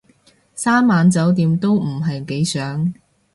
三晚酒店都唔係幾想